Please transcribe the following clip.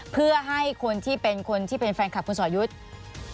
เพื่อให้คนที่เป็นฟุนแฟนคลับคุณสอยุทธิ์